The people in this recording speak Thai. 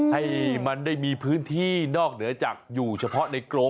ให้มันได้มีพื้นที่นอกเหนือจากอยู่เฉพาะในกรง